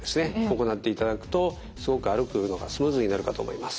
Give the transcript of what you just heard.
行っていただくとすごく歩くのがスムーズになるかと思います。